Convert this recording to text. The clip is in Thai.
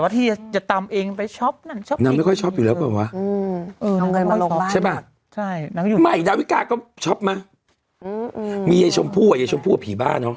พี่จะตามเองไปช้อปนั่งใช่ไหมไม่ตั้งคุณมีชมผู้ชมผู้ผีบ้านเนอะ